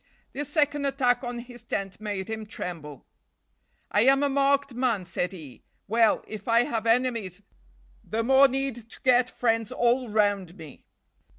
This second attack on his tent made him tremble. "I am a marked man," said he. "Well, if I have enemies, the more need to get friends all round me."